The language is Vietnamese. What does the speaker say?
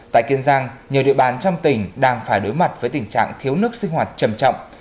tại kiên giang nhiều địa bàn trong tỉnh đang phải đối mặt với tình trạng thiếu nước sinh hoạt trầm trọng